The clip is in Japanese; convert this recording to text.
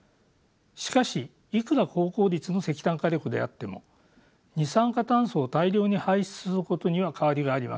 しかしいくら高効率の石炭火力であっても二酸化炭素を大量に排出することには変わりがありません。